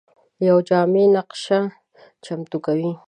یوه جامع نقشه چمتو کوي.